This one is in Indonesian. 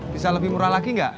bisa lebih murah lagi nggak